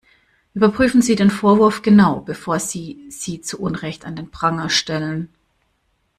Überprüfen Sie den Vorwurf genau, bevor Sie sie zu Unrecht an den Pranger stellen.